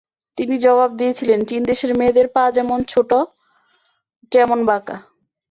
তিনি জবাব দিয়েছিলেন, চীন-দেশের মেয়েদের পা যেমন ছোটো, যেমন বাঁকা।